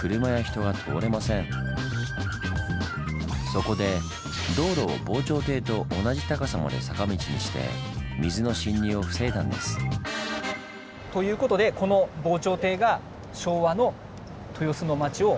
そこで道路を防潮堤と同じ高さまで坂道にして水の侵入を防いだんです。ということで名残ですね。